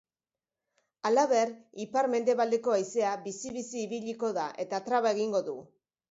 Halaber, ipar-mendebaldeko haizea bizi-bizi ibiliko da eta traba egingo du.